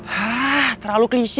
hah terlalu klise